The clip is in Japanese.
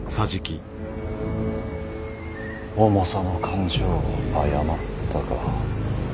重さの勘定を誤ったか。